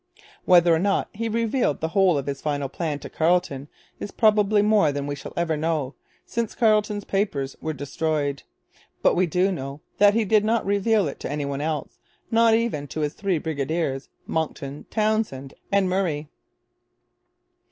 Whether or not he revealed the whole of his final plan to Carleton is probably more than we shall ever know, since Carleton's papers were destroyed. But we do know that he did not reveal it to any one else, not even to his three brigadiers, Monckton, Townshend, and Murray.